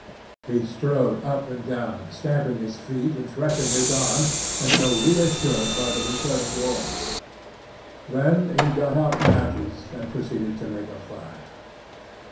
He strode up and down, stamping his feet and threshing his arms, until reassured by the returning warmth. Then he got out matches and proceeded to make a fire.